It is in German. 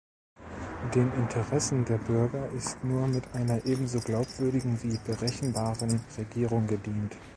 Den Interessen der Bürger ist nur mit einer ebenso glaubwürdigen wie berechenbaren Regierung gedient.